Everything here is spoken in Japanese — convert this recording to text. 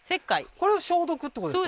これは消毒ってことですか？